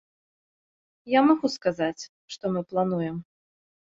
Я магу сказаць, што мы плануем.